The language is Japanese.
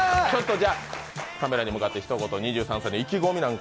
カメラに向かってひと言、２３歳の意気込みなんか。